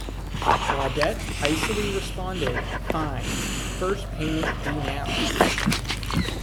Claudette icily responded, Fine, first payment due now!